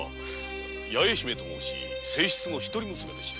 八重姫と申し正室の一人娘です。